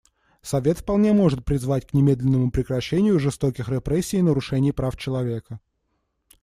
Совет вполне может призвать к немедленному прекращению жестоких репрессий и нарушений прав человека.